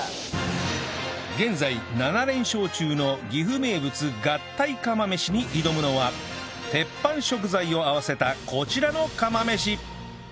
現在７連勝中の岐阜名物合体釜飯に挑むのはテッパン食材を合わせたこちらの釜飯